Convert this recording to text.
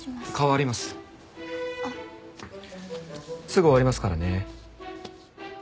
すぐ終わりますからね。